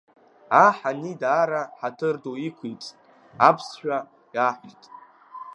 Аҳ ани даара ҳаҭыр ду иқәиҵт, аԥсшәа иаиҳәт.